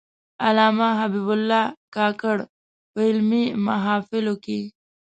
علامه حبیب الله کاکړ په علمي محافلو کې.